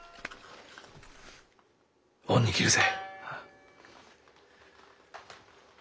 恩に着るぜ。